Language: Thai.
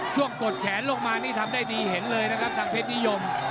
กดแขนลงมานี่ทำได้ดีเห็นเลยนะครับทางเพชรนิยม